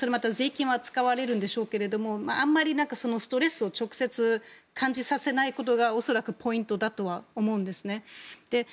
税金は使われるんでしょうけどもあまりストレスを直接感じさせないことが恐らくポイントだとは思うんですね。